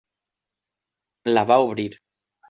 La va obrir.